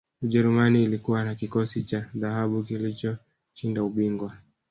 ujerumani ilikuwa na kikosi cha dhahabu kilichoshinda ubingwa